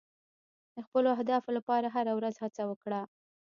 د خپلو اهدافو لپاره هره ورځ هڅه وکړه.